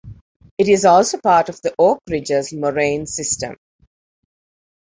It is also part of the Oak Ridges Moraine system.